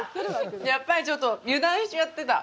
やっぱりちょっと油断しちゃってた。